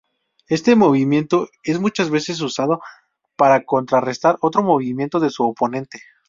Este movimiento es muchas veces usado para contrarrestar otro movimiento de su oponente..